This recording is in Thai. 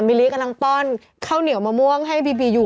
ลิกำลังป้อนข้าวเหนียวมะม่วงให้บีบีอยู่